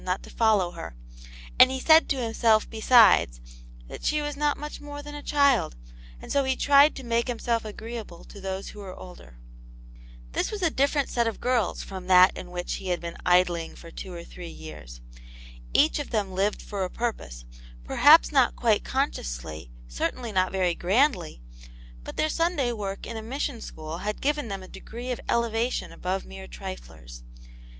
not to follow her, and he said to himself besides, that she was not much more than a child, and so he tried to make himself agreeable to those who were older. This was a different set of girls from that in which he had been idling for two or three years. Each of them lived for a purpose ; perhaps not quite con sciously, certainly not very grandly ; but their Sun day work in a mission school had given them a degree of elevation above mere triflers.